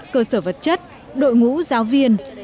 cơ sở vật chất đội ngũ giáo viên